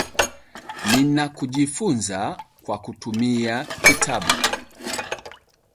Ninakujifunza kwa kutumia kitabu